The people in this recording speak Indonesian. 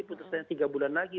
putusannya tiga bulan lagi